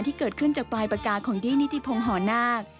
ที่เกิดขึ้นจากปลายปากกาของดี้นิติพงศ์หอนาค